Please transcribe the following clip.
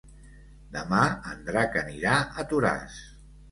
Demà en Drac anirà a Toràs.